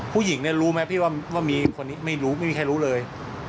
ผู้หญิงเนี่ยรู้ไหมพี่ว่ามีคนนี้ไม่รู้ไม่มีใครรู้เลย